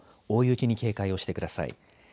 大雪に警戒をしてください。